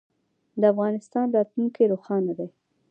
د افغانستان راتلونکی روښانه دی.